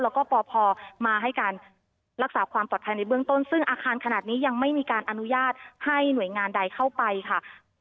แล้วก็ปพมาให้การรักษาความปลอดภัยในเบื้องต้นซึ่งอาคารขนาดนี้ยังไม่มีการอนุญาตให้หน่วยงานใดเข้าไปค่ะ